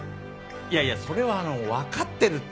いやいやそれはあのわかってるって。